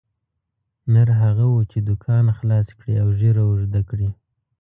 نر هغه وو چې دوکان خلاص کړي او ږیره اوږده کړي.